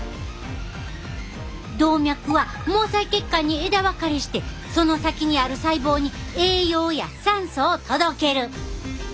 動脈は毛細血管に枝分かれしてその先にある細胞に栄養や酸素を届ける。